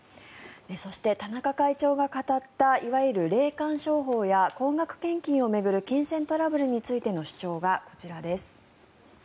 そして、田中会長が語ったいわゆる霊感商法や高額献金を巡る金銭トラブルについての主張はこちらです。